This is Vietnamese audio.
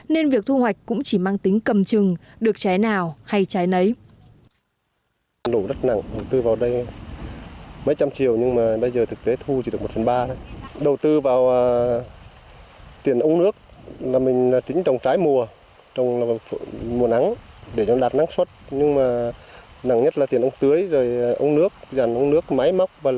nên việc thu hoạch cũng chỉ mang tính cầm chừng được trái nào hay trái nấy